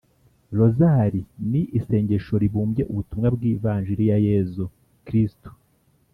rozali ni isengesho ribumbye ubutumwa bw’ivanjili ya yezu kristu”